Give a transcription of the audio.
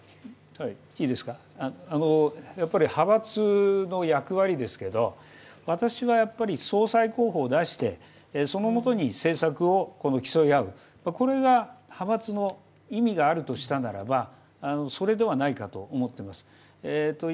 派閥の役割ですけど私は総裁候補を出してそのもとに政策を競い合う、これが派閥の意味があるとしたならばそれではないかと思っています。